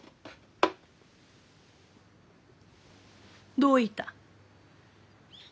どういた？